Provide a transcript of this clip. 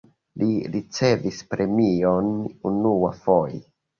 Li ricevis premion unuafoje.